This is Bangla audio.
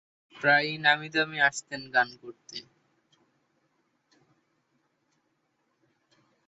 প্রায়ই নামী-দামী আসতেন গান করতে।